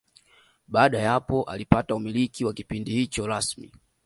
Baada ya hapo alipata umiliki wa kipindi hicho rasmi